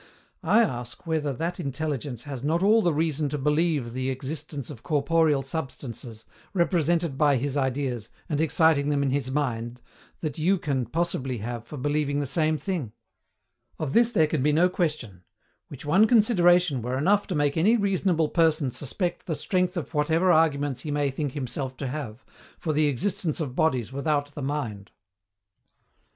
I ask whether that intelligence has not all the reason to believe the existence of corporeal substances, represented by his ideas, and exciting them in his mind, that you can possibly have for believing the same thing? Of this there can be no question which one consideration were enough to make any reasonable person suspect the strength of whatever arguments be may think himself to have, for the existence of bodies without the mind.